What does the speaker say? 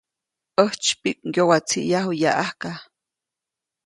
‒ʼäjtsypiʼk ŋgyowatsiʼyaju yaʼajka-.